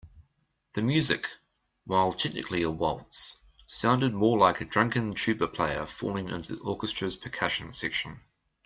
The music, while technically a waltz, sounded more like a drunken tuba player falling into the orchestra's percussion section.